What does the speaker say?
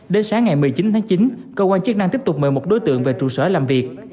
đến sáng ngày một mươi chín tháng chín cơ quan chức năng tiếp tục mời một đối tượng về trụ sở làm việc